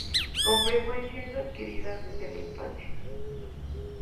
Con frecuencia es adquirida desde la infancia.